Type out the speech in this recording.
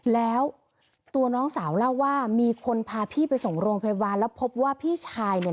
แล้วตัวน้องสาวเล่าว่ามีคนพาพี่ไปส่งโรงพยาบาลแล้วพบว่าพี่ชายเนี่ย